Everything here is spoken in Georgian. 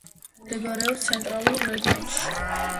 მდებარეობს ცენტრალურ რეგიონში.